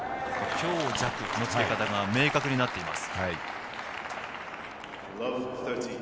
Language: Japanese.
強弱のつけ方が明確になっています。